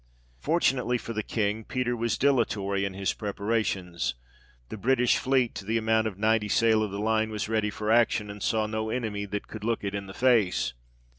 Fortunately for the King, Peter was dilatory in his preparations ; the British fleet, to the amount of ninety sail of the line, was ready for action, and saw no enemy that could look it in the face.